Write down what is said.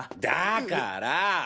だから！